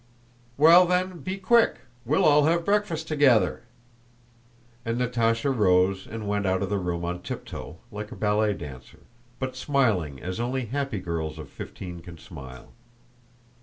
"Well then, be quick. We'll all have breakfast together." And Natásha rose and went out of the room on tiptoe, like a ballet dancer, but smiling as only happy girls of fifteen can smile.